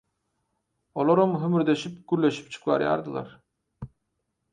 Olaram hümürdeşip gürleşipjik barýardylar.